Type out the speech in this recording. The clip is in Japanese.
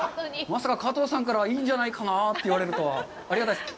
まさか、加藤さんから“いいんじゃないかな”と言われるとはありがたいです。